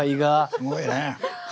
すごいね！